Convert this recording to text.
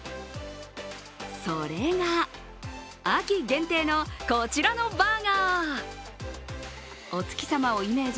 それが、秋限定のこちらのバーガー。